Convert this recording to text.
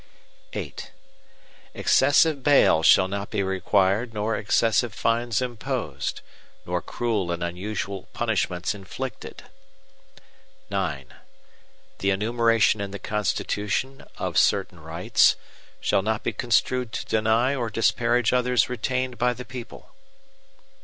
VIII Excessive bail shall not be required nor excessive fines imposed, nor cruel and unusual punishments inflicted. IX The enumeration in the Constitution, of certain rights, shall not be construed to deny or disparage others retained by the people.